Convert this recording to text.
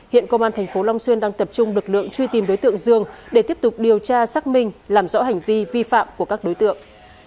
hiện công an thành phố long xuyên đang tập trung lực lượng truy tìm đối tượng dương để tiếp tục điều tra xác minh làm rõ hành vi vi phạm của các đối tượng